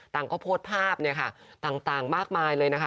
ก็โพสต์ภาพเนี่ยค่ะต่างมากมายเลยนะคะ